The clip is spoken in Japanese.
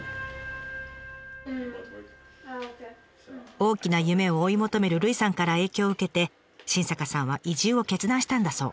大きな夢を追い求めるルイさんから影響を受けて新坂さんは移住を決断したんだそう。